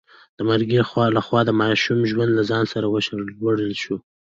د مرګي لخوا د ماشوم ژوند له ځان سره وړل شوی و.